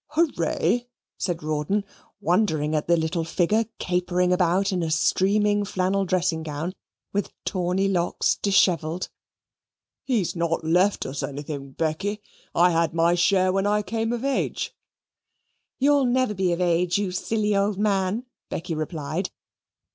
"Hurray?" said Rawdon, wondering at the little figure capering about in a streaming flannel dressing gown, with tawny locks dishevelled. "He's not left us anything, Becky. I had my share when I came of age." "You'll never be of age, you silly old man," Becky replied.